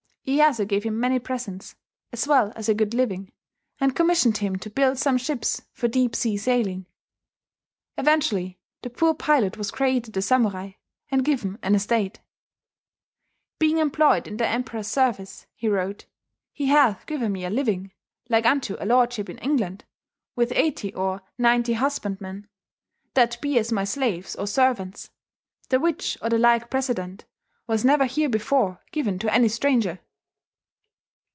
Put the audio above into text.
... Iyeyasu gave him many presents, as well as a good living, and commissioned him to build some ships for deep sea sailing. Eventually, the poor pilot was created a samurai, and given an estate. "Being employed in the Emperour's seruice," he wrote, "he hath given me a liuing, like vnto a lordship in England, with eightie or ninetie husbandmen that be as my slaues or seruents: the which, or the like president [precedent], was neuer here before geven to any stranger."